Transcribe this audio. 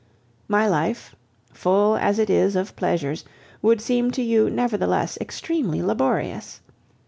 My life, full as it is of pleasures, would seem to you, nevertheless, extremely laborious.